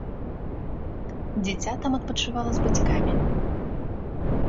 Дзіця там адпачывала з бацькамі.